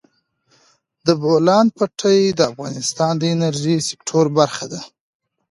د بولان پټي د افغانستان د انرژۍ سکتور برخه ده.